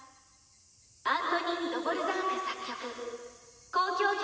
アントニン・ドヴォルザーク作曲交響曲